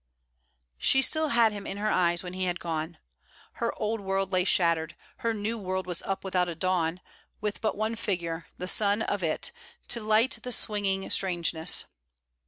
She still had him in her eyes when he had gone. Her old world lay shattered; her new world was up without a dawn, with but one figure, the sun of it, to light the swinging strangeness.